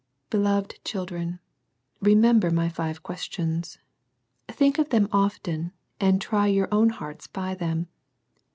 Beloved children, remember my five questious. Think of them often, and try your own hearts by them.